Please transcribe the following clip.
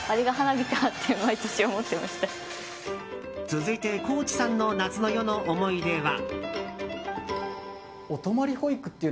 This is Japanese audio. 続いて高地さんの夏の夜の思い出は？